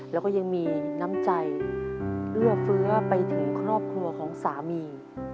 แล้วก็ยังมีน้ำใจเอื้อเฟื้อไปถึงครอบครัวของสามี